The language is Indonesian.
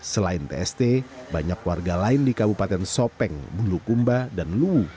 selain tst banyak warga lain di kabupaten sopeng bulukumba dan luwu